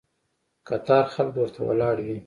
قطار خلک ورته ولاړ وي.